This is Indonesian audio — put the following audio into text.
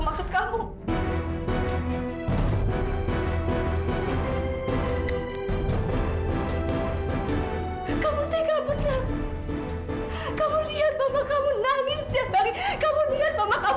kalau kamu gak mau melakukan itu yaudah